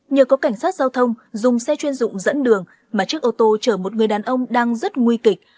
nhờ có cảnh sát giao thông dùng xe chuyên dụng dẫn đường mà chiếc ô tô chở một người đàn ông đang rất nguy kịch